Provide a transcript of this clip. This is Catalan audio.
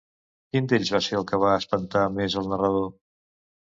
Quin d'ells va ser el que va espantar més el narrador?